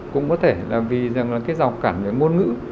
cũng có thể là vì rằng là cái dọc cản về ngôn ngữ